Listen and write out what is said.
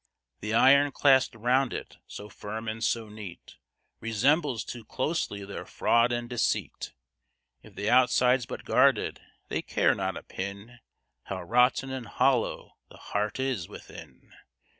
The iron clasp'd around it, so firm and so neat, Resembles too closely their fraud and deceit, If the outside's but guarded, they care not a pin How rotten and hollow the heart is within.